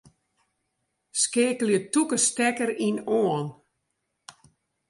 Skeakelje tûke stekker ien oan.